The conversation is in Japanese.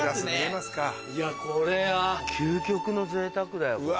いやこれは究極のぜいたくだよ。